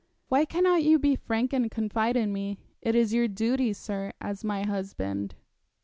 Why cannot you be frank and confide in me. It is your duty, sir, as my husband.'